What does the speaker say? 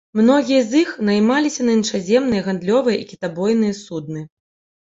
Многія з іх наймаліся на іншаземныя гандлёвыя і кітабойныя судны.